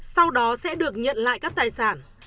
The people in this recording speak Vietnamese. sau đó sẽ được nhận lại các tài sản